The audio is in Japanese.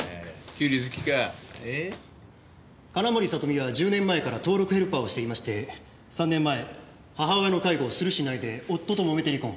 金森里美は１０年前から登録ヘルパーをしていまして３年前母親の介護をするしないで夫ともめて離婚。